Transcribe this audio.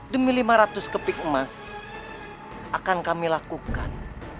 demi lima ratus kepik emas akan kami lakukan